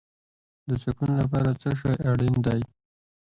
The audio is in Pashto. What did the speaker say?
د سکون لپاره څه شی اړین دی؟